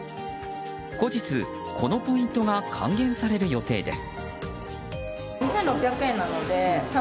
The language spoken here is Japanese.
後日、このポイントが還元される予定です。